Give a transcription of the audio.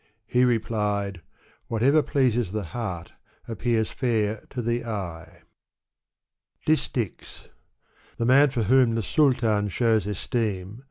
He replied, "Whatever pleases the heart appears fair to the eye." Digitized by Google The man for whom the Saltan shows esteem.